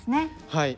はい。